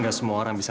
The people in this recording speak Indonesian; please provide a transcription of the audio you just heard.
udah selesai kan